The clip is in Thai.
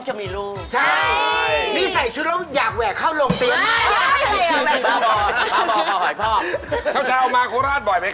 ชาวมาโยนราชบ่อยไหมครับ